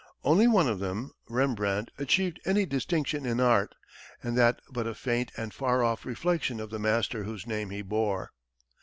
Only one of them, Rembrandt, achieved any distinction in art, and that but a faint and far off reflection of the master whose name he bore.